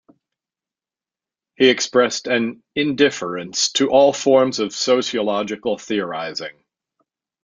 He expressed an "indifference" to all forms of sociological theorizing.